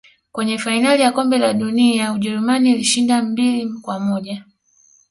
Kwenye fainali ya kombe la dunia ujerumani ilishinda mbili kwa moja